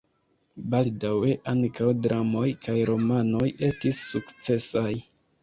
Baldaŭe ankaŭ dramoj kaj romanoj estis sukcesaj.